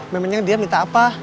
memangnya dia minta apa